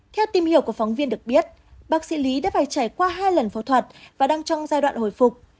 theo tìm hiểu của phóng viên được biết bác sĩ lý đã phải trải qua hai lần phẫu thuật và đang trong giai đoạn hồi phục